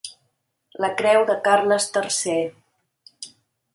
La creu de Carles tercer.